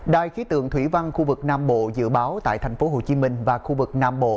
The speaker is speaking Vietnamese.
đài khí tượng thủy văn khu vực nam bộ dự báo tại thành phố hồ chí minh và khu vực nam bộ